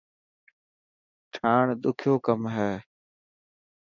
ٺاهڻ ڏکيو ڪم هي.